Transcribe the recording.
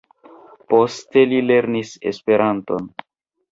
Poste li lernis Esperanton.